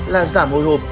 là giảm hồi hộp